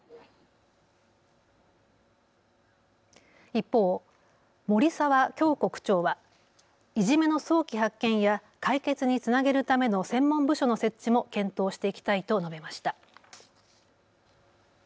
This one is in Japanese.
一方、森澤恭子区長はいじめの早期発見や解決につなげるための専門部署の設置も検討していきたいと述べました。